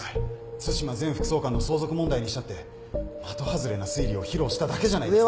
津島前副総監の相続問題にしたって的外れな推理を披露しただけじゃないですか。